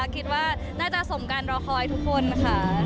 คิดว่าน่าจะสมการรอคอยทุกคนค่ะ